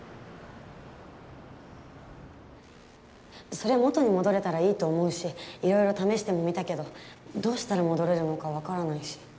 そりゃ元に戻れたらいいと思うしいろいろ試してもみたけどどうしたら戻れるのか分からないし。